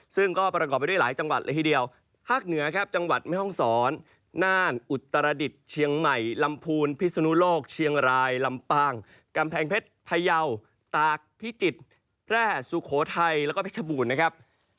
ซึ่งก็ประกอบไปด้วยหลายจังหวัดเลยทีเดียวภาคเหนือครับจังหวัดแม่ห้องศรน่านอุตรดิษฐ์เชียงใหม่ลำพูนพิศนุโลกเชียงรายลำปางกำแพงเพชรพยาวตากพิจิตรแร่สุโขทัยแล้วก็เพชรบูรณ์นะครับ